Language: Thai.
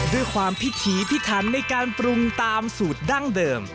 ด้วยความพิถีพิทันในการปรุงตามสูตรดั้งเดิม